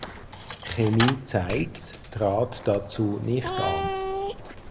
Chemie Zeitz trat dazu nicht an.